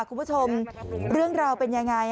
คุณผู้ชมเรื่องราวเป็นยังไง